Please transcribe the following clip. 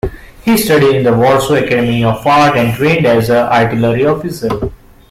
He studied in the Warsaw Academy of Art, and trained as an artillery officer.